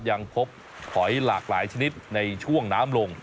ยังพบหอยหลากหลายชนิดในช่วงน้ำลง